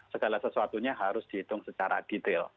segala sesuatunya harus dihitung secara detail